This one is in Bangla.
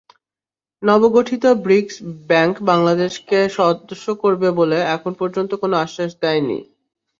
নবগঠিত ব্রিকস ব্যাংক বাংলাদেশকে সদস্য করবে বলে এখন পর্যন্ত কোনো আশ্বাস দেয়নি।